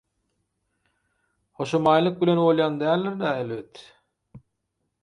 Hoşamaýlyk bilen bolýan däldir -dä, elbet.